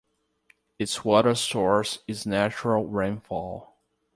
Its water source is natural rainfall.